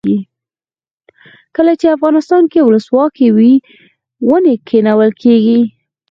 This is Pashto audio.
کله چې افغانستان کې ولسواکي وي ونې کینول کیږي.